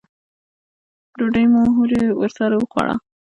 ډوډۍ مو هورې ورسره وخوړله.